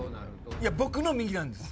いや僕の右なんです。